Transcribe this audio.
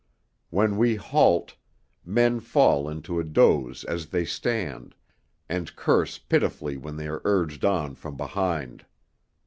When we halt men fall into a doze as they stand, and curse pitifully when they are urged on from behind.